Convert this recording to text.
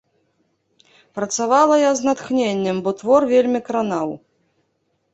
Працавала я з натхненнем, бо твор вельмі кранаў.